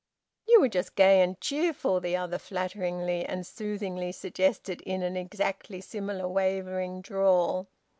"You were just gay and cheerful," the other flatteringly and soothingly suggested, in an exactly similar wavering drawl.